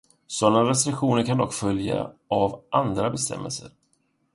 Sådana restriktioner kan dock följa av andra bestämmelser.